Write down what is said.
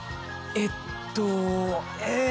えっとえぇ。